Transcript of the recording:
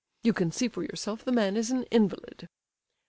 You can see for yourself the man is an invalid."